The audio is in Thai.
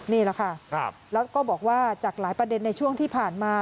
นี่แหละค่ะแล้วก็บอกว่าจากหลายประเด็นในช่วงที่ผ่านมา